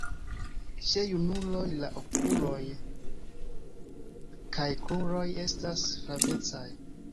Ĉe junuloj la okuloj kaj kruroj estas flavecaj.